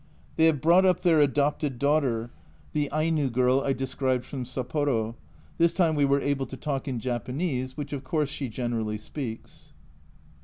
They have brought up their adopted daughter the ,122 A Journal from Japan Aino girl I described from Sapporo this time we were able to talk in Japanese, which of course she generally speaks.